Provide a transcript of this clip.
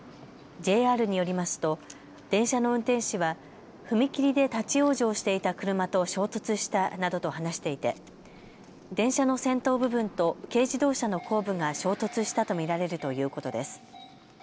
ＪＲによりますと電車の運転士は踏切で立往生していた車と衝突したなどと話していて電車の先頭部分と軽自動車の後部が衝突したと見られるということです。